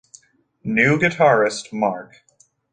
New guitarist Mark.